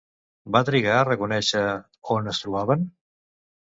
Va trigar a reconèixer on es trobaven?